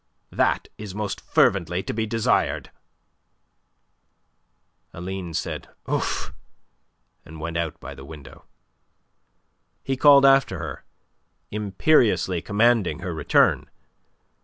"That is most fervently to be desired." Aline said "Ouf!" and went out by the window. He called after her, imperiously commanding her return.